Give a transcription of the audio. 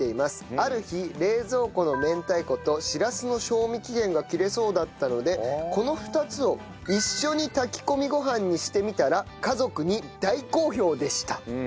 ある日冷蔵庫の明太子としらすの賞味期限が切れそうだったのでこの２つを一緒に炊き込みご飯にしてみたら家族に大好評でした。